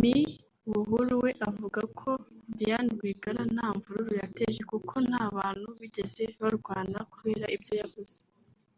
Me Buhuru we avuga ko Diane Rwigara nta mvururu yateje kuko nta bantu bigeze barwana kubera ibyo yavuze